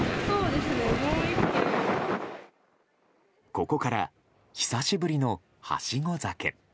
ここから久しぶりのはしご酒。